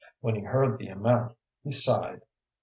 When he heard the amount he sighed.